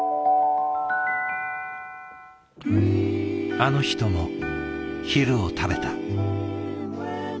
あの人も昼を食べた。